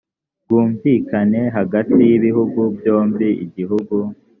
bwumvikane hagati y ibihugu byombi igihugu